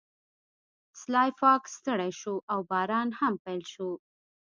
سلای فاکس ستړی شو او باران هم پیل شو